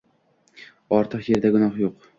Ortiq yerda gunoh yo’q.